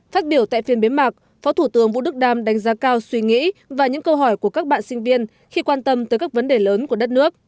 phát biểu tại phiên bế mạc phó thủ tướng vũ đức đam đánh giá cao suy nghĩ và những câu hỏi của các bạn sinh viên khi quan tâm tới các vấn đề lớn của đất nước